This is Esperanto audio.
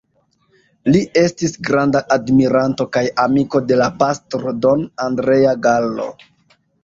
Li estis granda admiranto kaj amiko de la pastro Don Andrea Gallo.